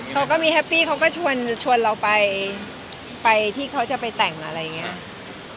เขาก็มีแฮปปี้เขาก็ชวนเราไปที่เขาจะไปแต่งอะไรอย่างนี้